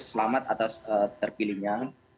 selamat atas terpilihnya